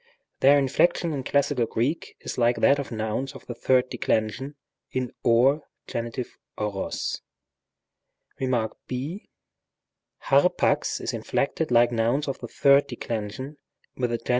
Their inflection in classical Greek is like that of nouns of the third de clension in wp G. opos (§ 88 and Rem. a). Rem. ὃ. ἅρπαξ is inflected like nouns of the third declension with the G.